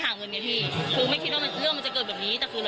แล้วตื่นไม่ทีจะเรียกไปกินข้าวเขาไม่รู้สึกกลัวแล้วตอนนั้นนะครับ